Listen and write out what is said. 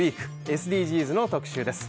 ＳＤＧｓの特集です。